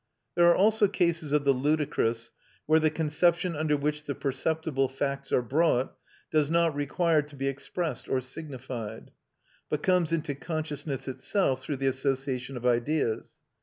There are also cases of the ludicrous where the conception under which the perceptible facts are brought does not require to be expressed or signified, but comes into consciousness itself through the association of ideas.